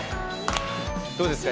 どうですか？